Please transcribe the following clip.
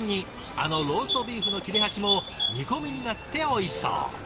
あのローストビーフの切れ端も煮込みになっておいしそう。